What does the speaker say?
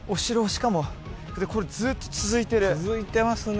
しかもこれずっと続いてる続いてますね